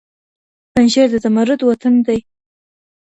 پنجشېر د زمرد وطن دی.